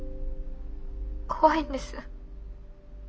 怖いんです。